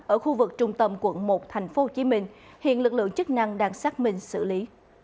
ở khu vực trung tâm quận một tp hcm hiện lực lượng chức năng đang xác minh xử lý